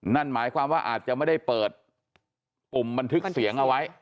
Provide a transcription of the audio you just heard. นั่นหมายความว่าอาจจะไม่ได้เปิดปุ่มบันทึกเสียงเอาไว้